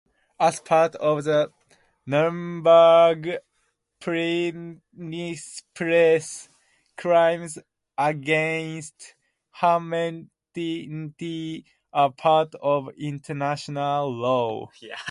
As part of the Nuremberg Principles, crimes against humanity are part of international law.